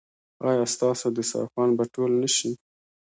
ایا ستاسو دسترخوان به ټول نه شي؟